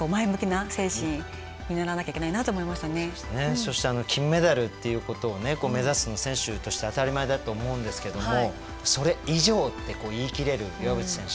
そしてあの金メダルっていうことをね目指すの選手として当たり前だと思うんですけどもそれ以上って言い切れる岩渕選手